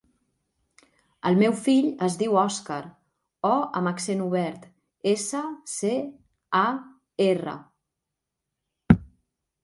El meu fill es diu Òscar: o amb accent obert, essa, ce, a, erra.